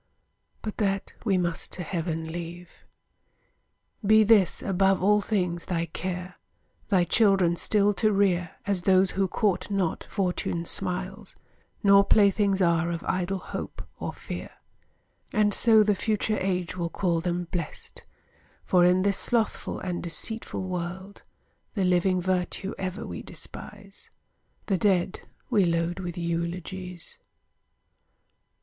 But that we must to heaven leave. Be this, above all things, thy care, Thy children still to rear, As those who court not Fortune's smiles, Nor playthings are of idle hope, or fear: And so the future age will call them blessed; For, in this slothful and deceitful world, The living virtue ever we despise, The dead we load with eulogies.